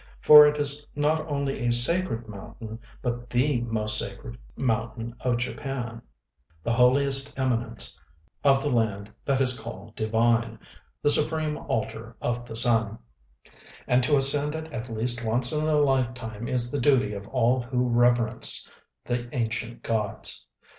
For it is not only a sacred mountain, but the most sacred mountain of Japan, the holiest eminence of the land that is called Divine, the Supreme Altar of the Sun; and to ascend it at least once in a life time is the duty of all who reverence the ancient gods.